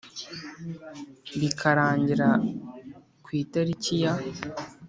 bikarangira ku itariki ya